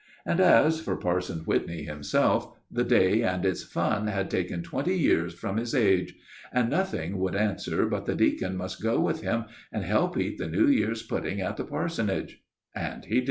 And as for Parson Whitney himself, the day and its fun had taken twenty years from his age, and nothing would answer but the deacon must go home and eat the New Year's pudding at the parsonage; and he did.